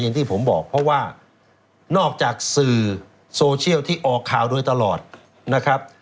อย่างที่ผมบอกเพราะว่านอกจากสื่อโซเชียลที่ออกข่าวโดยตลอดนะครับ